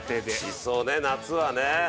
しそね夏はね。